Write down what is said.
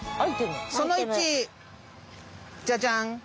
その１ジャジャン。